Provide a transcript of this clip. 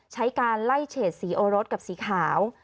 ใช้การไล่เฉดสีโอรสกับสีขาว